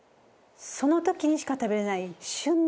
その時にしか食べられない。